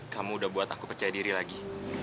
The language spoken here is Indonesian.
kamu udah buat aku percaya diri lagi